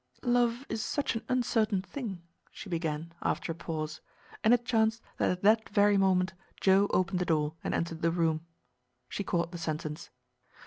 "Love is such an uncertain thing," she began, after a pause; and it chanced that at that very moment Joe opened the door and entered the room. She caught the sentence.